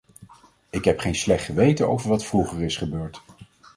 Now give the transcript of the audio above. Ik heb geen slecht geweten over wat vroeger is gebeurd.